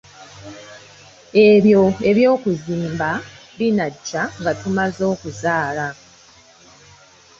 Ebyo eby'okuzimba binajja nga tumaze okuzaala.